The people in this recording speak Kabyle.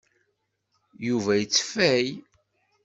Yuba yettfay.